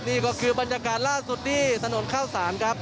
นี่ก็คือบรรยากาศล่าสุดที่ถนนข้าวสารครับ